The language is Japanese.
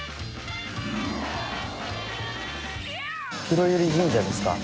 黒百合神社ですか？